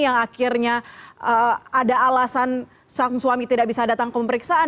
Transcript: yang akhirnya ada alasan sang suami tidak bisa datang ke pemeriksaan